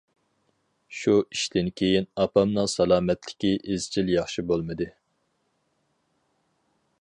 شۇ ئىشتىن كېيىن ئاپامنىڭ سالامەتلىكى ئىزچىل ياخشى بولمىدى.